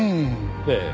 ええ。